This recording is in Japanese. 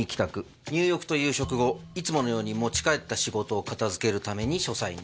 入浴と夕食後いつものように持ち帰った仕事を片付けるために書斎に。